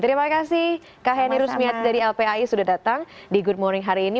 terima kasih kak heni rusmiati dari lpai sudah datang di good morning hari ini